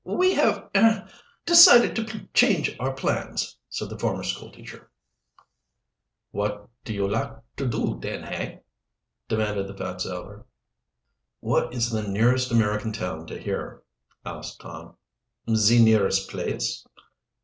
"We have er decided to change our plans," said the former school teacher. "What you lak to do den, hey?" demanded the fat sailor. "What is the nearest American town to here?" asked Tom. "Ze nearest place?"